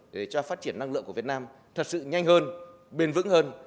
để cho phát triển năng lượng của việt nam thật sự nhanh hơn bền vững hơn